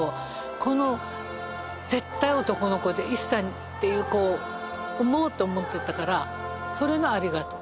この絶対男の子で「一茶」っていう子を産もうと思ってたからそれの「ありがとう」。